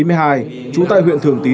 về hành vi lừa đảo chiếm đoạn tài sản